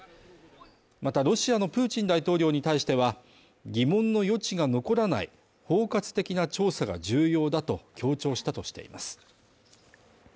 またロシアのプーチン大統領に対しては疑問の余地が残らない包括的な調査が重要だと強調したとしています。